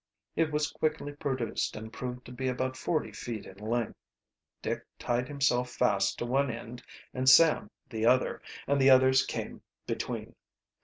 It was quickly produced and proved to be about forty feet in length. Dick tied himself fast to one end and Sam the other, and the others came between.